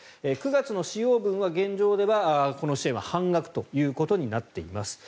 ９月の使用分は現状ではこの支援は半額ということになっています。